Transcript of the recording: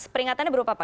peringatannya berupa apa